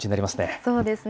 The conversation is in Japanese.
そうですね。